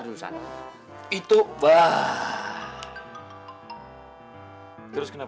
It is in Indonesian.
lagi mau tidur